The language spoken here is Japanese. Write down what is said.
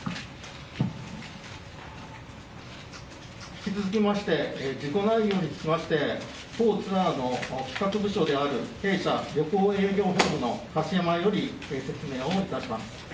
引き続きまして事故内容について、当ツアーの企画部署である弊社旅行営業部の柏山より説明をいたします。